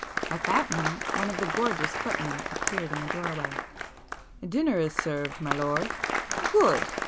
At that moment one of the gorgeous footmen appeared at the doorway. "Dinner is served, my lud." "Good!"